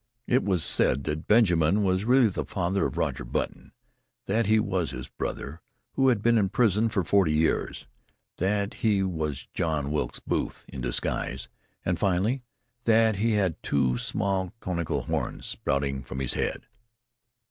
It was said that Benjamin was really the father of Roger Button, that he was his brother who had been in prison for forty years, that he was John Wilkes Booth in disguise and, finally, that he had two small conical horns sprouting from his head.